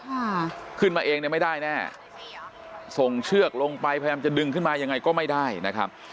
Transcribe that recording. ค่ะขึ้นมาเองเนี่ยไม่ได้แน่ส่งเชือกลงไปพยายามจะดึงขึ้นมายังไงก็ไม่ได้นะครับ